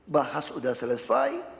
bahas sudah selesai